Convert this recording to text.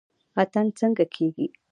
اتن څنګه کیږي؟